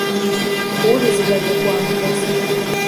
Okuwuliziganya kwa mugaso.